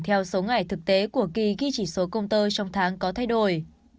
theo số ngày thực tế của kỳ ghi chỉ số công tơ trong tháng có thay đổi